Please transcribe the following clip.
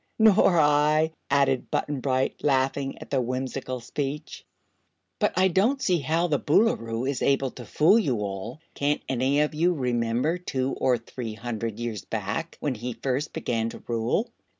"Nor I," added Button Bright, laughing at the whimsical speech. "But I don't see how the Boolooroo is able to fool you all. Can't any of you remember two or three hundred years back, when he first began to rule?"